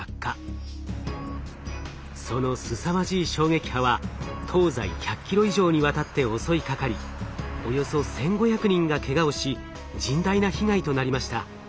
そのすさまじい衝撃波は東西１００キロ以上にわたって襲いかかりおよそ１，５００人がけがをし甚大な被害となりました。